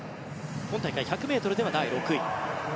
今大会１００ｍでは第６位。